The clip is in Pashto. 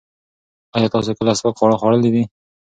ایا تاسو کله سپک خواړه خوړلي دي؟